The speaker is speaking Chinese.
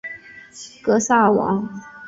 格萨尔王